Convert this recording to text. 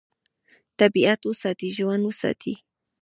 طبیعت وساتئ، ژوند وساتئ.